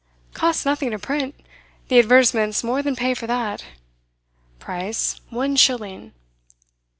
Costs nothing to print; the advertisements more than pay for that. Price, one shilling.